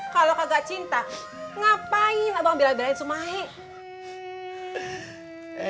kalau kagak cinta ngapain abang belain belain si maek